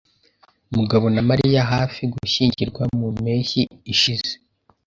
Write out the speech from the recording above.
Mugabo na Mariya hafi gushyingirwa mu mpeshyi ishize.